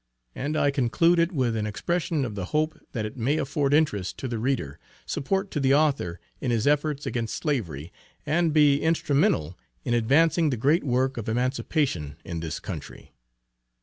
And I conclude it with an expression of the hope that it may afford interest to the reader, support to the author in his efforts against slavery, and be instrumental in advancing the great work of emancipation in this country.